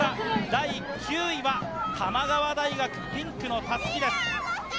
第９位は玉川大学、ピンクの襷です。